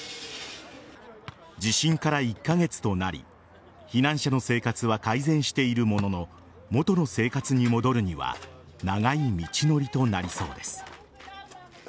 地震から１カ月となり避難者の生活は改善しているものの元の生活に戻るには長い道のりとなりそうです。